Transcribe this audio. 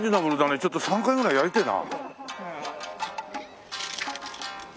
ちょっと３回ぐらいやりてえな。